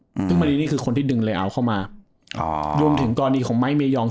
อืมซึ่งมณีนี่คือคนที่ดึงเลยเอาเข้ามาอ๋อรวมถึงกรณีของไม้เมยอง